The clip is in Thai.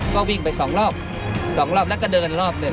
ก็วิ่งไปสองรอบสองรอบแล้วก็เดินรอบหนึ่ง